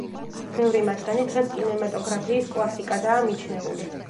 ბევრი მათგანი დღეს კინემატოგრაფიის კლასიკადაა მიჩნეული.